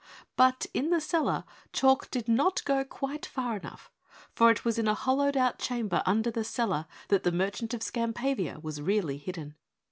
But in the cellar Chalk did not go quite far enough, for it was in a hollowed out chamber under the cellar that the merchant of Skampavia was really hidden.